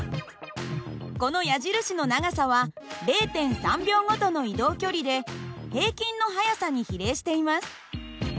この矢印の長さは０．３秒ごとの移動距離で平均の速さに比例しています。